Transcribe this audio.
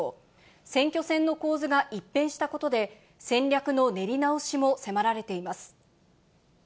選挙戦の構図が一変したことで、戦略の練り直しも迫られています。